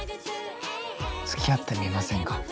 つきあってみませんか？